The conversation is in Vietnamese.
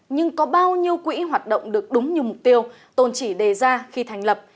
nhưng có bao nhiêu quỹ hoạt động được đúng như mục tiêu tồn chỉ đề ra khi thành lập